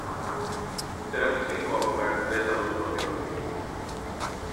Seremos cinco a comer, tres adultos y dos niños.